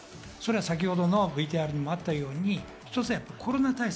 先ほどのＶＴＲにもあったようにコロナ対策。